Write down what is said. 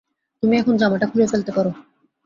তুমি এখন জামাটা খুলে ফেলতে পারো।